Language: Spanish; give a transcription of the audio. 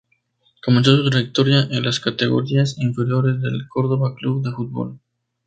Comenzó su trayectoria en las categorías inferiores del Córdoba Club de Fútbol.